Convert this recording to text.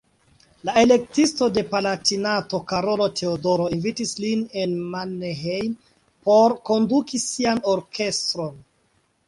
La Elektisto de Palatinato Karolo Teodoro invitis lin en Mannheim por konduki sian orkestron.